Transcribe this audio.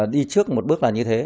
đi trước một bước là như thế